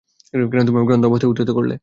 কেন তুমি আমাকে অন্ধ অবস্থায় উত্থিত করলে?